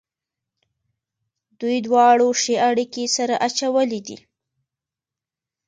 دوی دواړو ښې اړېکې سره اچولې دي.